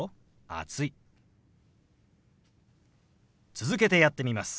続けてやってみます。